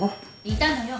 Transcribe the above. いたのよ